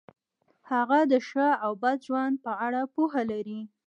هغه د ښه او بد ژوند په اړه پوهه لري.